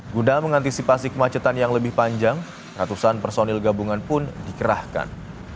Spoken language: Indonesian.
guna mengantisipasi kemacetan yang lebih panjang ratusan personil gabungan pun dikerahkan